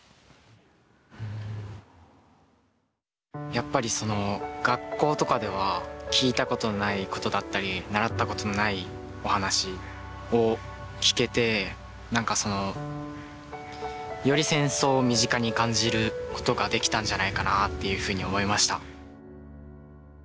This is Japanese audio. やっぱり学校とかでは聞いたことないことだったり習ったことのないお話を聞けて何かより戦争を身近に感じることができたんじゃないかなっていうふうに思いました。